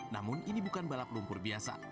namun ini bukan balap lumpur biasa